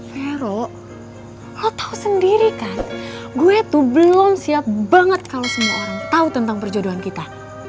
farouk lo tau sendiri kan gue tuh belum siap banget kalo semua orang tau tentang perjodohan kita